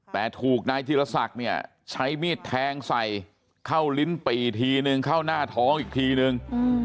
แต่ถูกนายธีรศักดิ์เนี่ยใช้มีดแทงใส่เข้าลิ้นปี่ทีนึงเข้าหน้าท้องอีกทีนึง